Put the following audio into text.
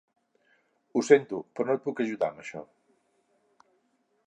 Ho sento, però no et puc ajudar amb això.